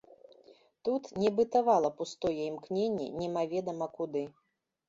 Тут не бытавала пустое імкненне немаведама куды.